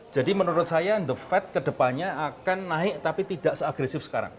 jadi menurut saya the fed kedepannya akan naik tapi tidak seagresif sekarang